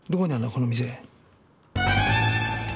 この店。